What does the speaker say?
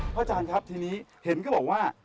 อาจารย์ครับทีนี้เห็นก็บอกว่า